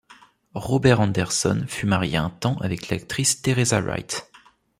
Robert Anderson fut marié un temps avec l’actrice Teresa Wright.